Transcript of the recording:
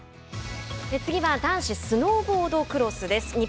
次は男子スノーボードクロスです。